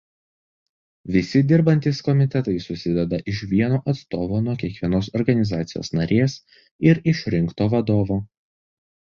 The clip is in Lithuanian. Visi dirbantys komitetai susideda iš vieno atstovo nuo kiekvienos organizacijos narės ir išrinkto vadovo.